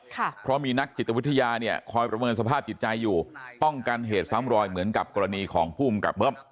เพราะมีนักจิตวิทยาเนี่ยคอยประเมินสภาพจิตใจอยู่ป้องกันเหตุซ้ำรอยเหมือนกับกรณีของภูมิกับเบิ้ม